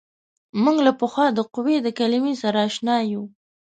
موږ له پخوا د قوې د کلمې سره اشنا یو.